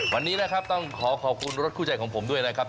วันนี้นะครับต้องขอขอบคุณรถคู่ใจของผมด้วยนะครับ